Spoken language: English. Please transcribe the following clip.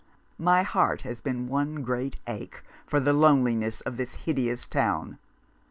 My heart has been one great ache for the loneliness of this hideous town.